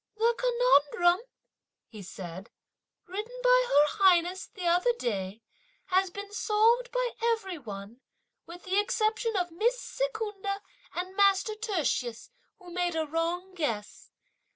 "The conundrum," he said, "written by Her Highness, the other day, has been solved by every one, with the exception of Miss Secunda and master Tertius, who made a wrong guess.